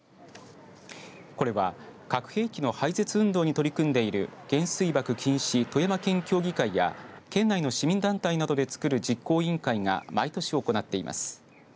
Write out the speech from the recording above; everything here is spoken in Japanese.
これは核兵器の廃絶運動に取り組んでいる原水爆禁止富山県協議会や県内の市民団体などで作る実行委員会が毎年、行っています。